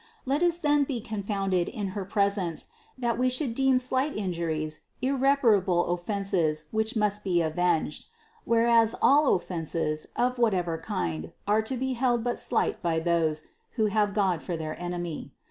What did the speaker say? Let us then be confounded in her presence, that we should deem slight injuries irreparable offenses which must be avenged ; whereas all offenses, of whatever kind, are to be held but slight by those, who have God for their enemy.